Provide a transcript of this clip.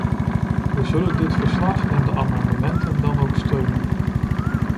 We zullen dit verslag en de amendementen dan ook steunen.